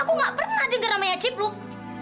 aku gak pernah denger namanya cipluk